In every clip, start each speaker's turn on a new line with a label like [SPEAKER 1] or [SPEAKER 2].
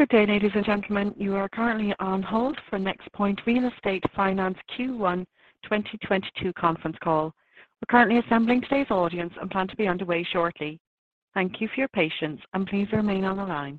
[SPEAKER 1] Good day, Ladies and gentlemen. You are currently on hold for NexPoint Real Estate Finance Q1 2022 Conference Call. We're currently assembling today's audience and plan to be underway shortly. Thank you for your patience, and please remain on the line.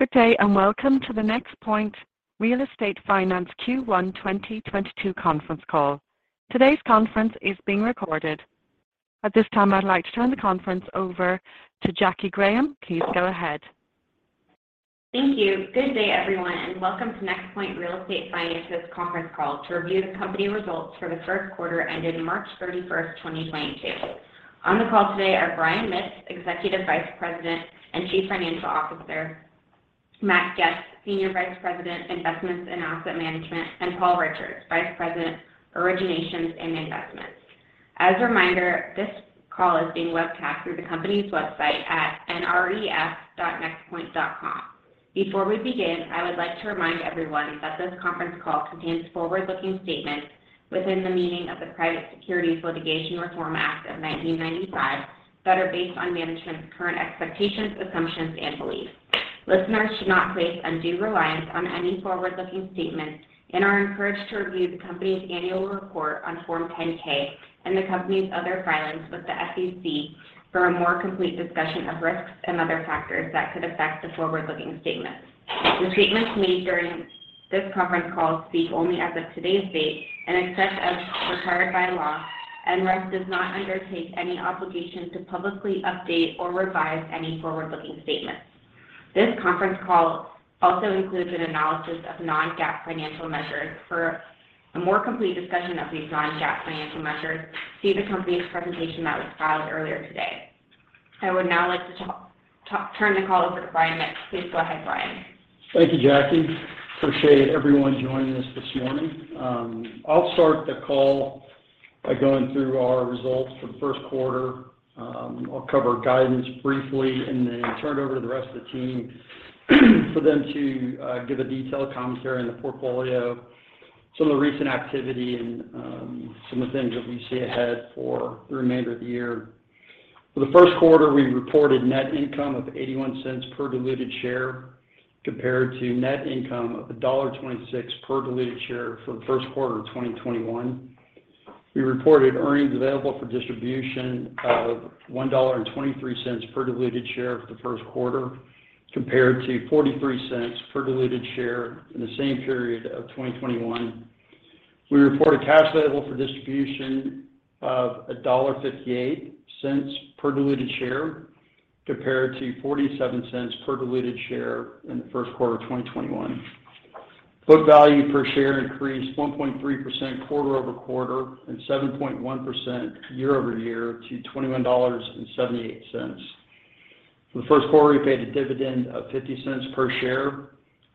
[SPEAKER 1] Good day, and welcome to the NexPoint Real Estate Finance Q1 2022 Conference Call. Today's conference is being recorded. At this time, I'd like to turn the conference over to Jackie Graham. Please go ahead.
[SPEAKER 2] Thank you. Good day, Everyone, and Welcome to NexPoint Real Estate Finance's Conference Call to review the company results for the first quarter ended March 31, 2022. On the call today are Brian Mitts, Executive Vice President and Chief Financial Officer, Matt Goetz, Senior Vice President, Investments and Asset Management, and Paul Richards, Vice President, Originations and Investments. As a reminder, this call is being webcast through the company's website at nref.nexpoint.com. Before we begin, I would like to remind everyone that this conference call contains forward-looking statements within the meaning of the Private Securities Litigation Reform Act of 1995 that are based on management's current expectations, assumptions and beliefs. Listeners should not place undue reliance on any forward-looking statements and are encouraged to review the company's annual report on Form 10-K, and the company's other filings with the SEC for a more complete discussion of risks and other factors that could affect the forward-looking statements. The statements made during this conference call speak only as of today's date. Except as required by law, NREF does not undertake any obligation to publicly update or revise any forward-looking statements. This conference call also includes an analysis of non-GAAP financial measures. For a more complete discussion of these non-GAAP financial measures, see the company's presentation that was filed earlier today. I would now like to turn the call over to Brian Mitts. Please go ahead, Brian.
[SPEAKER 3] Thank you, Jackie. Appreciate everyone joining us this morning. I'll start the call by going through our results for the first quarter. I'll cover guidance briefly and then turn it over to the rest of the team for them to give a detailed commentary on the portfolio, some of the recent activity and some of the things that we see ahead for the remainder of the year. For the first quarter, we reported net income of $0.81 per diluted share, compared to net income of $1.26 per diluted share for the first quarter of 2021. We reported earnings available for distribution of $1.23 per diluted share for the first quarter, compared to $0.43 per diluted share in the same period of 2021. We reported cash available for distribution of $1.58 per diluted share, compared to $0.47 per diluted share in the first quarter of 2021. Book value per share increased 1.3% quarter-over-quarter and 7.1% year-over-year to $21.78. For the first quarter, we paid a dividend of $0.50 per share,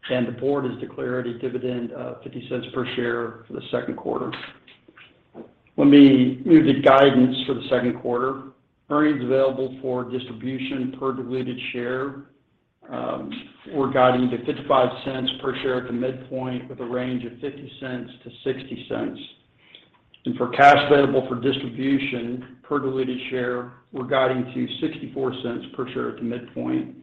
[SPEAKER 3] and the board has declared a dividend of $0.50 per share for the second quarter. Let me move to guidance for the second quarter. Earnings available for distribution per diluted share, we're guiding to $0.55 per share at the midpoint with a range of $0.50-$0.60. For cash available for distribution per diluted share, we're guiding to $0.64 per share at the midpoint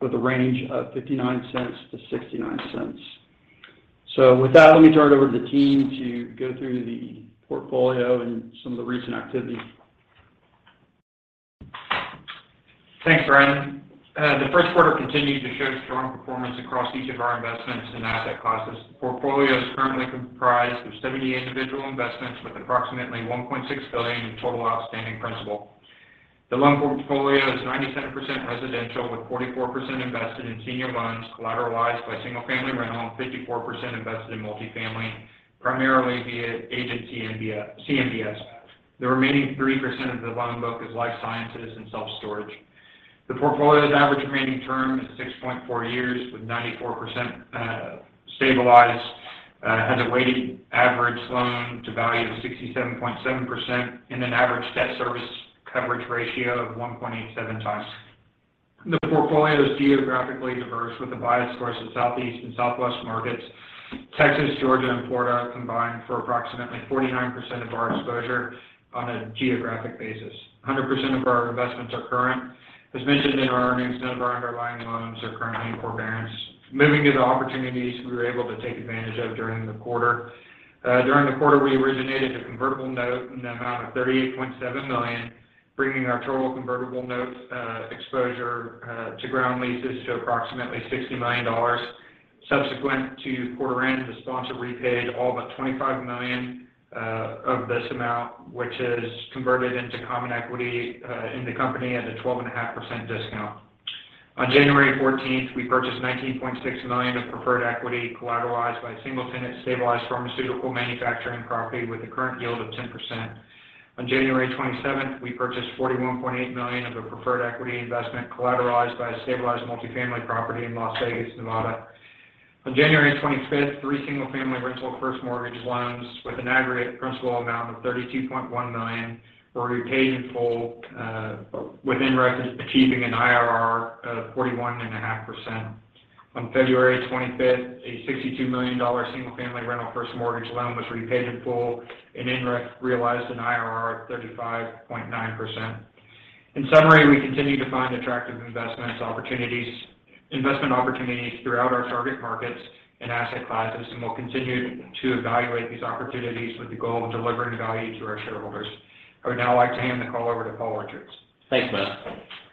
[SPEAKER 3] with a range of $0.59-$0.69. With that, let me turn it over to the team to go through the portfolio and some of the recent activity.
[SPEAKER 4] Thanks, Brian. The first quarter continued to show strong performance across each of our investments and asset classes. The portfolio is currently comprised of 70 individual investments with approximately $1.6 billion in total outstanding principal. The loan portfolio is 97% residential with 44% invested in senior loans collateralized by single-family rental and 54% invested in multifamily, primarily via agency CMBS. The remaining 3% of the loan book is life sciences and self-storage. The portfolio's average remaining term is 6.4 years with 94% stabilized. Has a weighted average loan-to-value of 67.7% and an average debt service coverage ratio of 1.87 times. The portfolio is geographically diverse with a bias towards the Southeast and Southwest markets. Texas, Georgia, and Florida combined for approximately 49% of our exposure on a geographic basis. 100% of our investments are current. As mentioned in our earnings, none of our underlying loans are currently in forbearance. Moving to the opportunities we were able to take advantage of during the quarter. During the quarter, we originated a convertible note in the amount of $38.7 million, bringing our total convertible notes exposure to ground leases to approximately $60 million. Subsequent to quarter end, the sponsor repaid all but $25 million of this amount, which is converted into common equity in the company at a 12.5% discount. On January 14, we purchased $19.6 million of preferred equity collateralized by a single-tenant stabilized pharmaceutical manufacturing property with a current yield of 10%. On January 27th, we purchased $41.8 million of a preferred equity investment collateralized by a stabilized multifamily property in Las Vegas, Nevada. On January 25th, three single-family rental first mortgage loans with an aggregate principal amount of $32.1 million were repaid in full with NREF achieving an IRR of 41.5%. On February 25th, a $62 million single-family rental first mortgage loan was repaid in full, and NREF realized an IRR of 35.9%. In summary, we continue to find attractive investment opportunities throughout our target markets and asset classes, and we'll continue to evaluate these opportunities with the goal of delivering value to our shareholders. I would now like to hand the call over to Paul Richards.
[SPEAKER 5] Thanks, Matt.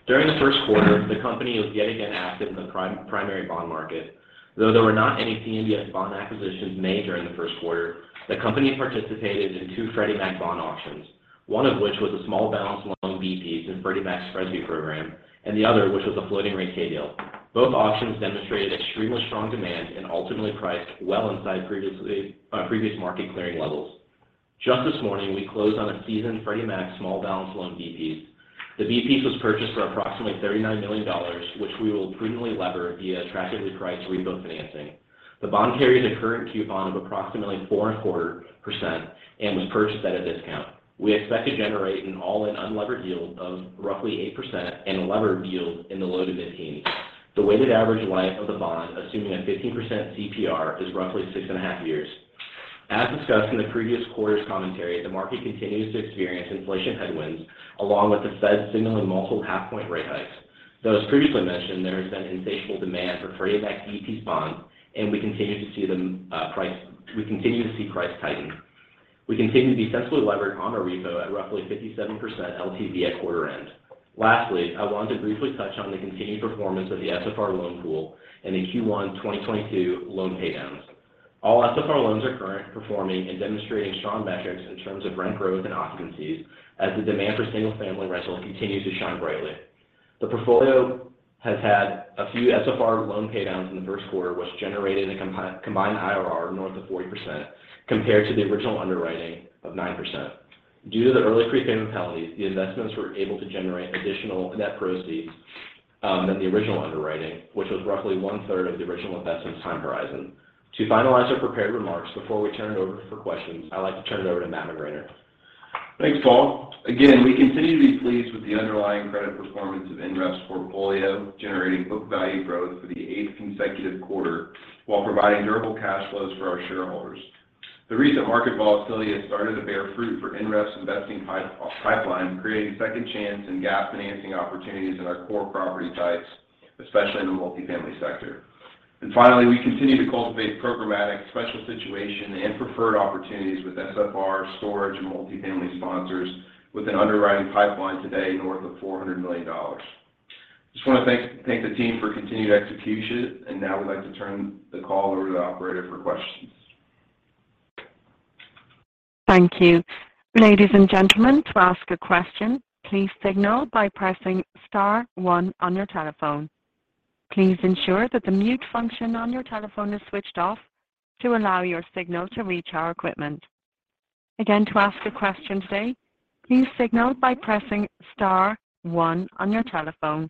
[SPEAKER 5] During the first quarter, the company was yet again active in the primary bond market. Though there were not any CMBS bond acquisitions made during the first quarter, the company participated in two Freddie Mac bond auctions. One of which was a small balance loan B-piece in Freddie Mac's small balance program, and the other, which was a floating-rate K-Deal. Both auctions demonstrated extremely strong demand and ultimately priced well inside previous market clearing levels. Just this morning, we closed on a seasoned Freddie Mac small balance loan B-piece. The B-piece was purchased for approximately $39 million, which we will prudently lever via attractively priced repo financing. The bond carries a current coupon of approximately 4.25% and was purchased at a discount. We expect to generate an all-in unlevered yield of roughly 8% and a levered yield in the low to mid-teens. The weighted average life of the bond, assuming a 15% CPR, is roughly 6.5 years. As discussed in the previous quarter's commentary, the market continues to experience inflation headwinds along with the Fed Signaling multiple half-point rate hikes. Though as previously mentioned, there has been insatiable demand for Freddie Mac B-piece bonds, and we continue to see prices tighten. We continue to be sensibly levered on our repo at roughly 57% LTV at quarter end. Lastly, I wanted to briefly touch on the continued performance of the SFR loan pool and the Q1 2022 loan paydowns. All SFR loans are current, performing and demonstrating strong metrics in terms of rent growth and occupancies as the demand for single-family rental continues to shine brightly. The portfolio has had a few SFR loan paydowns in the first quarter, which generated a combined IRR north of 40% compared to the original underwriting of 9%. Due to the early prepayment penalties, the investments were able to generate additional net proceeds than the original underwriting, which was roughly one-third of the original investment's time horizon. To finalize our prepared remarks before we turn it over for questions, I'd like to turn it over to Matt McGraner.
[SPEAKER 6] Thanks, Paul. Again, we continue to be pleased with the underlying credit performance of NREF portfolio, generating book value growth for the eighth consecutive quarter while providing durable cash flows for our shareholders. The recent market volatility has started to bear fruit for NREF investing pipeline, creating second-chance and gap-financing opportunities in our core property types, especially in the multifamily sector. Finally, we continue to cultivate programmatic special situation and preferred opportunities with SFR, storage, and multifamily sponsors with an underwriting pipeline today north of $400 million. Just wanna thank the team for continued execution. Now we'd like to turn the call over to the Operator for questions.
[SPEAKER 1] Thank you. Ladies and gentlemen, to ask a question, please signal by pressing star one on your telephone. Please ensure that the mute function on your telephone is switched off to allow your signal to reach our equipment. Again, to ask a question today, please signal by pressing star one on your telephone.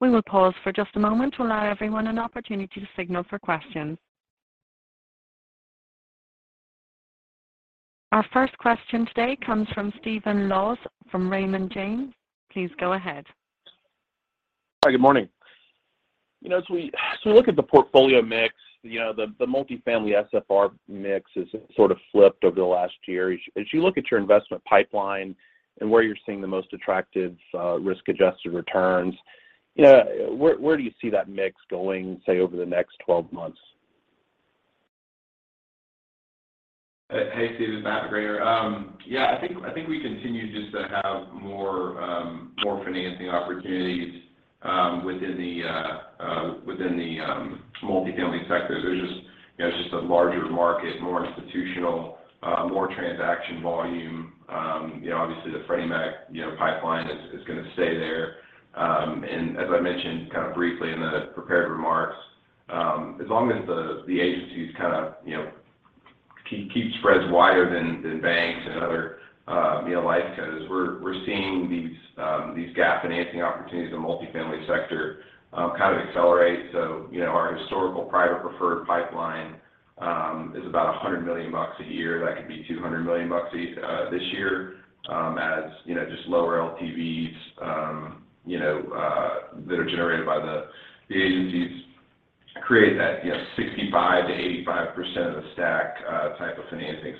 [SPEAKER 1] We will pause for just a moment to allow everyone an opportunity to signal for questions. Our first question today comes from Stephen Laws from Raymond James. Please go ahead.
[SPEAKER 7] Hi, good morning. You know, as we look at the portfolio mix, you know, the multifamily SFR mix has sort of flipped over the last year. As you look at your investment pipeline and where you're seeing the most attractive risk-adjusted returns, you know, where do you see that mix going, say, over the next 12 months?
[SPEAKER 6] Hey, hey, Stephen. It's Matt McGraner. Yeah, I think we continue just to have more financing opportunities within the multifamily sector. There's just, you know, it's just a larger market, more institutional, more transaction volume. You know, obviously the Freddie Mac pipeline is gonna stay there. As I mentioned kind of briefly in the prepared remarks, as long as the agencies kind of, you know, keep spreads wider than banks and other, you know, life cos, we're seeing these gap financing opportunities in the multifamily sector kind of accelerate. You know, our historical private preferred pipeline is about $100 million a year. That could be $200 million this year, as you know, just lower LTVs, you know, that are generated by the agencies create that, you know, 65%-85% of the stack type of financing.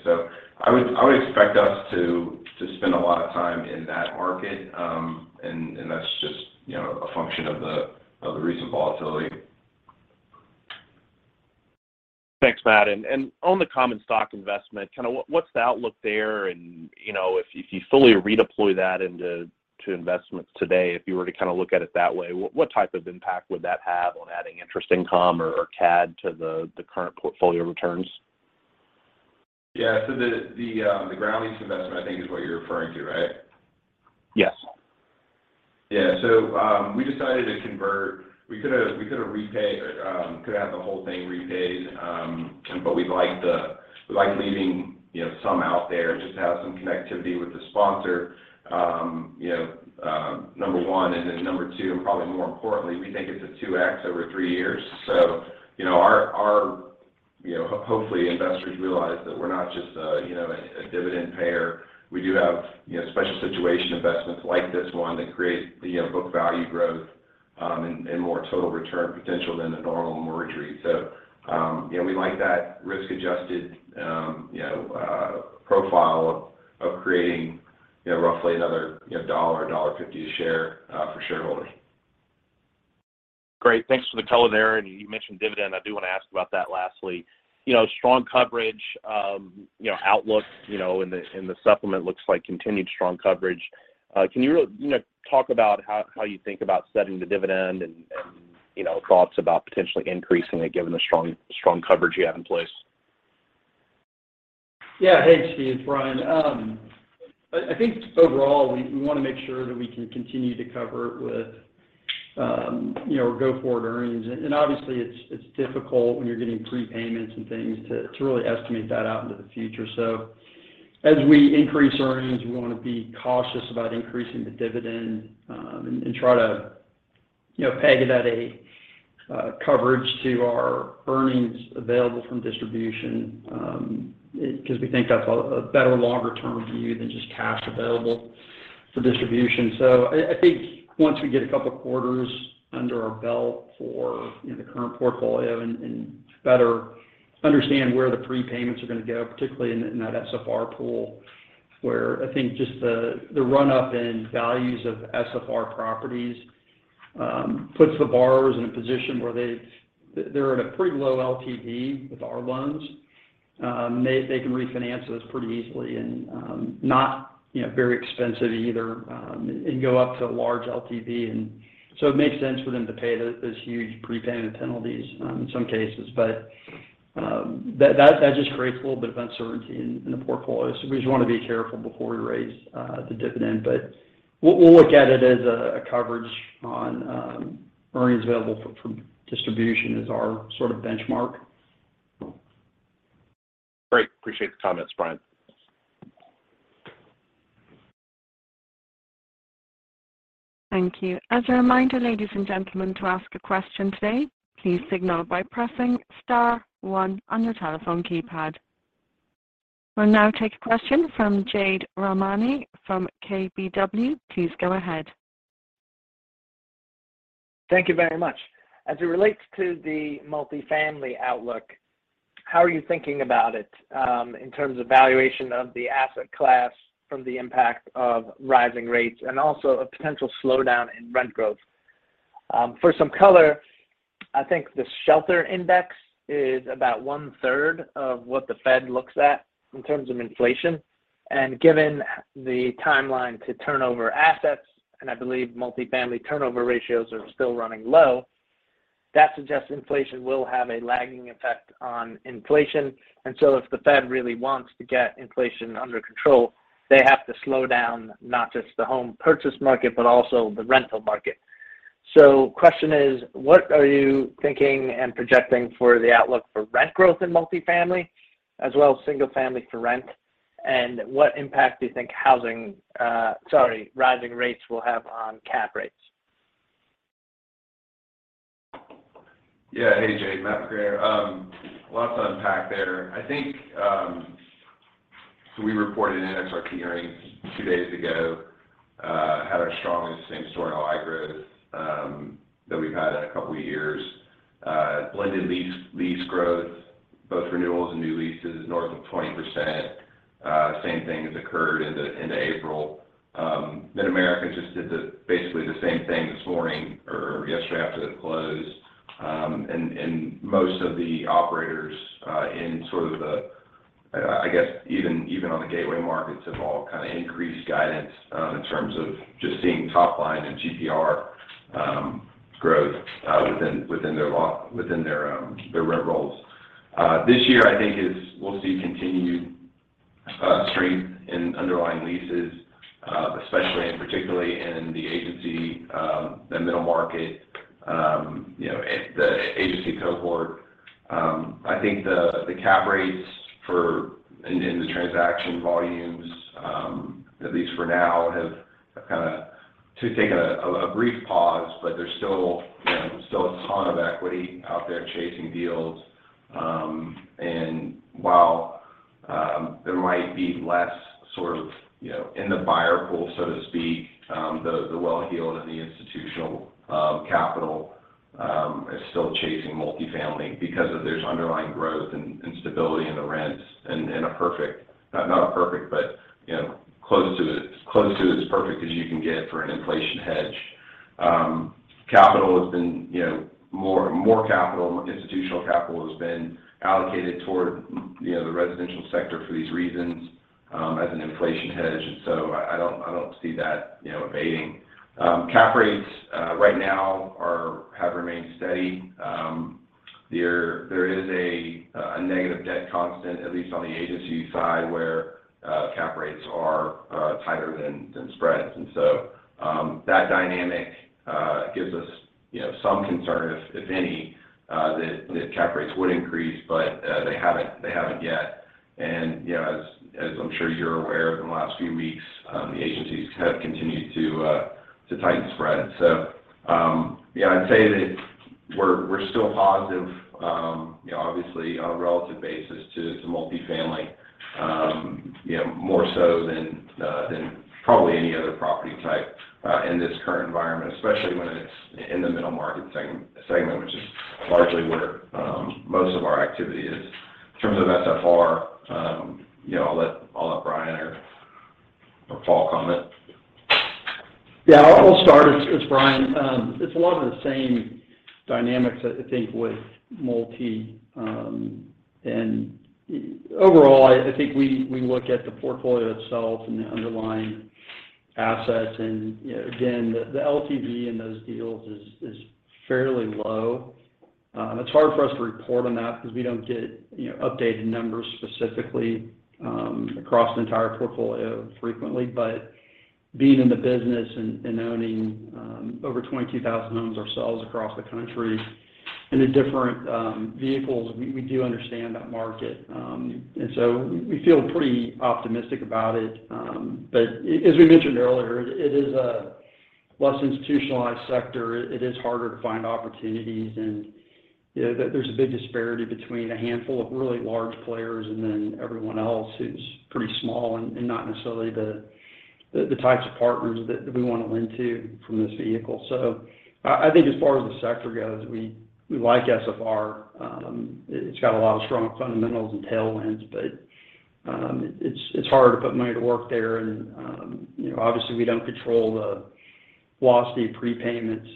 [SPEAKER 6] I would expect us to spend a lot of time in that market. That's just you know a function of the recent volatility.
[SPEAKER 7] Thanks, Matt. On the common stock investment, kind of what's the outlook there? You know, if you fully redeploy that into investments today, if you were to kind of look at it that way, what type of impact would that have on adding interest income or CAD to the current portfolio returns?
[SPEAKER 6] Yeah. The ground lease investment, I think is what you're referring to, right?
[SPEAKER 7] Yes.
[SPEAKER 6] We decided to convert. We could have repaid the whole thing. But we like leaving, you know, some out there just to have some connectivity with the sponsor, you know, number one. Then number two, and probably more importantly, we think it's a 2x over three years. You know, our hopefully investors realize that we're not just a, you know, a dividend payer. We do have, you know, special situation investments like this one that create, you know, book value growth, and more total return potential than the normal mortgage REIT. You know, we like that risk-adjusted, you know, profile of creating, you know, roughly another $1.50 a share for shareholders.
[SPEAKER 7] Great. Thanks for the color there. You mentioned dividend. I do wanna ask about that lastly. You know, strong coverage, you know, outlook, you know, in the supplement looks like continued strong coverage. Can you know, talk about how you think about setting the dividend and, you know, thoughts about potentially increasing it given the strong coverage you have in place?
[SPEAKER 3] Yeah. Hey, Stephen, it's Brian. I think overall we wanna make sure that we can continue to cover it with, you know, go-forward earnings. Obviously it's difficult when you're getting prepayments and things to really estimate that out into the future. As we increase earnings, we want to be cautious about increasing the dividend, and try to, you know, peg that coverage to our earnings available for distribution, because we think that's a better longer-term view than just cash available for distribution. I think once we get a couple quarters under our belt for, you know, the current portfolio and better understand where the prepayments are gonna go, particularly in that SFR pool, where I think just the run-up in values of SFR properties puts the borrowers in a position where they're at a pretty low LTV with our loans. They can refinance those pretty easily and, not, you know, very expensive either, and go up to a large LTV. It makes sense for them to pay those huge prepayment penalties in some cases. That just creates a little bit of uncertainty in the portfolio. We just want to be careful before we raise the dividend. We'll look at it as a coverage on earnings available for distribution is our sort of benchmark.
[SPEAKER 7] Great. Appreciate the comments, Brian.
[SPEAKER 1] Thank you. As a reminder, ladies and gentlemen, to ask a question today, please signal by pressing star one on your telephone keypad. We'll now take a question from Jade Rahmani from KBW. Please go ahead.
[SPEAKER 8] Thank you very much. As it relates to the multifamily outlook, how are you thinking about it, in terms of valuation of the asset class from the impact of rising rates and also a potential slowdown in rent growth? For some color, I think the shelter index is about one-third of what the Fed looks at in terms of inflation. Given the timeline to turnover assets, and I believe multifamily turnover ratios are still running low, that suggests inflation will have a lagging effect on inflation. If the Fed really wants to get inflation under control, they have to slow down not just the home purchase market, but also the rental market. Question is: What are you thinking and projecting for the outlook for rent growth in multifamily as well as single-family for rent? What impact do you think rising rates will have on cap rates?
[SPEAKER 6] Yeah. Hey, Jade. Matt McGraner. Lots to unpack there. I think, we reported in our 1Q earnings two days ago, had our strongest same-store NOI growth that we've had in a couple years. Blended lease growth, both renewals and new leases, north of 20%. Same thing has occurred into April. Mid-America just did basically the same thing this morning or yesterday after the close. Most of the operators in sort of the, I guess even on the gateway markets have all kinda increased guidance in terms of just seeing top line and GPR growth within their rent rolls. This year I think we'll see continued strength in underlying leases, especially and particularly in the agency, the middle market, you know, the agency cohort. I think the cap rates in the transaction volumes, at least for now, have kinda taken a brief pause, but there's still, you know, a ton of equity out there chasing deals. While there might be less sort of, you know, in the buyer pool, so to speak, the well-heeled and the institutional capital is still chasing multifamily because there's underlying growth and stability in the rents and a perfect, not a perfect, but, you know, as close to perfect as you can get for an inflation hedge. Capital has been, you know, more capital, institutional capital has been allocated toward, you know, the residential sector for these reasons, as an inflation hedge. I don't see that, you know, abating. Cap rates right now have remained steady. There is a negative debt constant at least on the agency side where cap rates are tighter than spreads. That dynamic gives us, you know, some concern if any that cap rates would increase, but they haven't yet. You know, as I'm sure you're aware of in the last few weeks, the agencies have continued to tighten spreads. Yeah, I'd say that we're still positive, you know, obviously on a relative basis to multifamily, you know, more so than probably any other property type in this current environment, especially when it's in the middle market segment, which is largely where most of our activity is. In terms of SFR, you know, I'll let Brian or Paul comment.
[SPEAKER 3] Yeah. I'll start. It's Brian. It's a lot of the same dynamics I think with multi. Overall, I think we look at the portfolio itself and the underlying assets and, you know, again, the LTV in those deals is fairly low. It's hard for us to report on that because we don't get, you know, updated numbers specifically across the entire portfolio frequently. Being in the business and owning over 22,000 homes ourselves across the country into different vehicles, we do understand that market. We feel pretty optimistic about it. As we mentioned earlier, it is a less institutionalized sector. It is harder to find opportunities, and, you know, there's a big disparity between a handful of really large players and then everyone else who's pretty small and not necessarily the types of partners that we wanna lend to from this vehicle. I think as far as the sector goes, we like SFR. It's got a lot of strong fundamentals and tailwinds, but it's hard to put money to work there and, you know, obviously we don't control the velocity of prepayments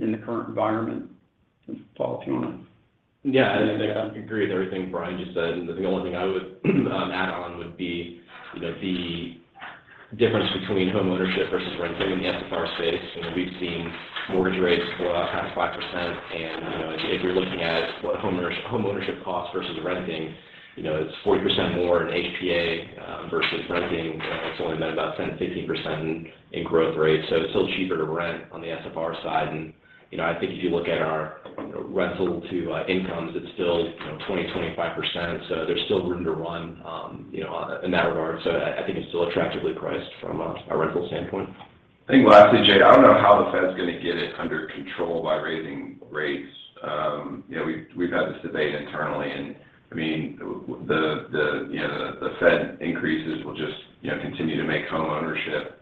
[SPEAKER 3] in the current environment. Paul, if you wanna...
[SPEAKER 5] Yeah. I think I agree with everything Brian just said, and the only thing I would add on would be, you know, the difference between homeownership versus renting in the SFR space. You know, we've seen mortgage rates blow out past 5% and, you know, if you're looking at what homeownership costs versus renting, you know, it's 40% more in HPA versus renting. It's only been about 10-15% in growth rates. So it's still cheaper to rent on the SFR side. I think if you look at our, you know, rental to incomes, it's still, you know, 20-25%. So there's still room to run, you know, in that regard. I think it's still attractively priced from a rental standpoint.
[SPEAKER 6] I think lastly, Jade, I don't know how the Fed's gonna get it under control by raising rates. You know, we've had this debate internally, and I mean, the Fed increases will just, you know, continue to make homeownership,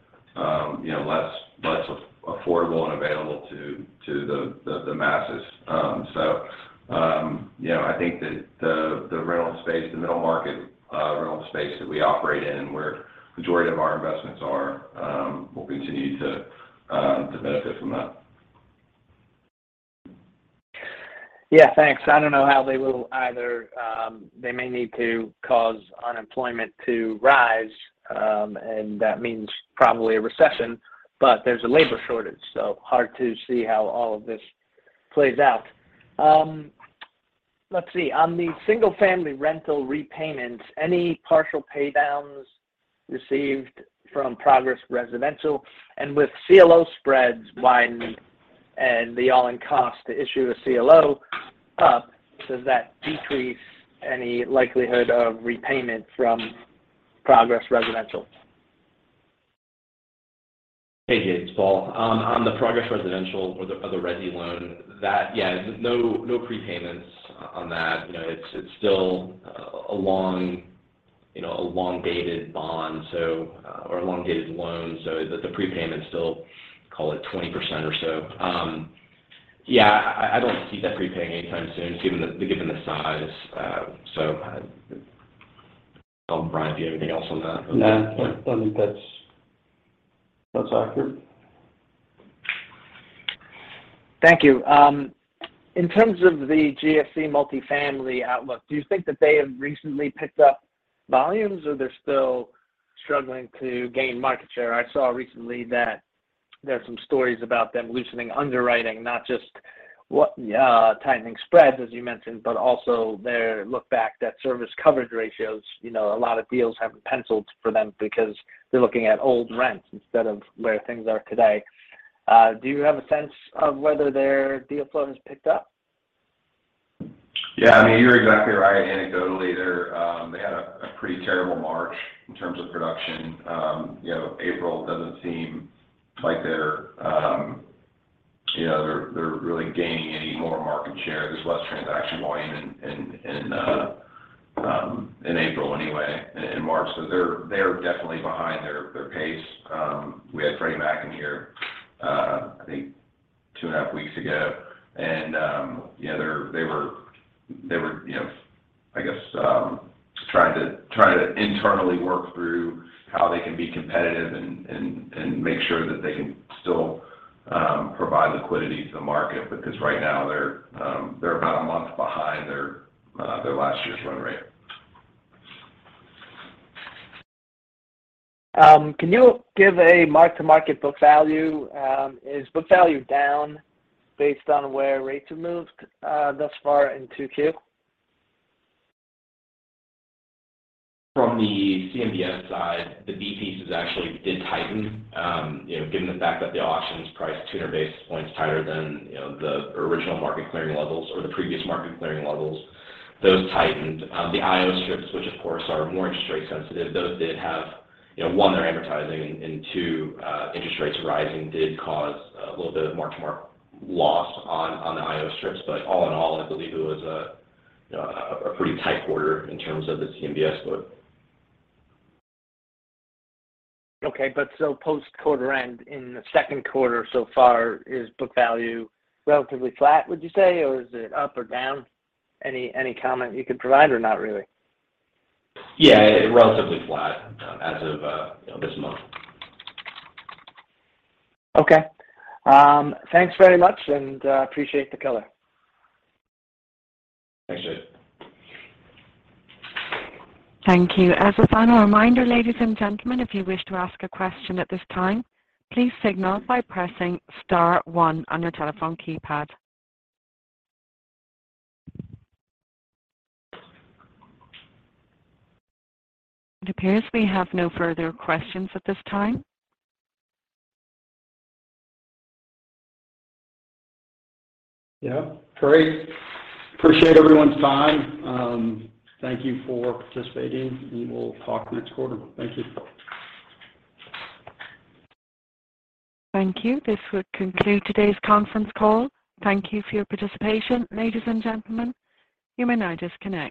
[SPEAKER 6] you know, less affordable and available to the masses. You know, I think that the rental space, the middle market rental space that we operate in and where majority of our investments are, will continue to benefit from that.
[SPEAKER 8] Yeah. Thanks. I don't know how they will either. They may need to cause unemployment to rise, and that means probably a recession. There's a labor shortage, so hard to see how all of this plays out. Let's see. On the single-family rental repayments, any partial paydowns received from Progress Residential? With CLO spreads widening and the all-in cost to issue a CLO up, does that decrease any likelihood of repayment from Progress Residential?
[SPEAKER 5] Hey, Jade, it's Paul. On the Progress Residential or the resi loan, yeah, no prepayments on that. You know, it's still a long you know, a long-dated bond or a long-dated loan. So the prepayment's still, call it 20% or so. Yeah, I don't see that prepaying anytime soon given the size. Paul and Brian, do you have anything else on that?
[SPEAKER 6] No, I think that's accurate.
[SPEAKER 8] Thank you. In terms of the GSE multifamily outlook, do you think that they have recently picked up volumes or they're still struggling to gain market share? I saw recently that there's some stories about them loosening underwriting, not just tightening spreads, as you mentioned, but also their look-back debt service coverage ratios. You know, a lot of deals haven't penciled for them because they're looking at old rents instead of where things are today. Do you have a sense of whether their deal flow has picked up?
[SPEAKER 6] Yeah. I mean, you're exactly right. Anecdotally, they had a pretty terrible March in terms of production. You know, April doesn't seem like they're, you know, they're really gaining any more market share. There's less transaction volume in April anyway, and March. So they're definitely behind their pace. We had Freddie Mac in here, I think 2.5 weeks ago. You know, they were, you know, I guess, trying to internally work through how they can be competitive and make sure that they can still provide liquidity to the market. Because right now they're about a month behind their last year's run rate.
[SPEAKER 8] Can you give a mark-to-market book value? Is book value down based on where rates have moved thus far in 2Q?
[SPEAKER 5] From the CMBS side, the B pieces actually did tighten. You know, given the fact that the auctions priced 2-3 basis points tighter than, you know, the original market clearing levels or the previous market clearing levels, those tightened. The IO strips, which of course are more interest rate sensitive, those did have, you know, one, they're amortizing, and two, interest rates rising did cause a little bit of mark-to-market loss on the IO strips. All in all, I believe it was a pretty tight quarter in terms of the CMBS book.
[SPEAKER 8] Okay. Post-quarter end, in the second quarter so far, is book value relatively flat, would you say? Or is it up or down? Any comment you could provide or not really?
[SPEAKER 5] Yeah. Relatively flat as of, you know, this month.
[SPEAKER 8] Okay. Thanks very much, and appreciate the color.
[SPEAKER 5] Thanks, Jade.
[SPEAKER 1] Thank you. As a final reminder, ladies and gentlemen, if you wish to ask a question at this time, please signal by pressing star one on your telephone keypad. It appears we have no further questions at this time.
[SPEAKER 6] Yeah. Great. Appreciate everyone's time. Thank you for participating, and we'll talk next quarter. Thank you.
[SPEAKER 1] Thank you. This would conclude today's conference call. Thank you for your participation. Ladies and gentlemen, you may now disconnect.